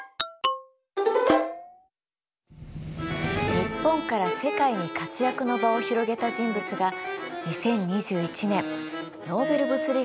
日本から世界に活躍の場を広げた人物が２０２１年ノーベル物理学賞を受賞しました。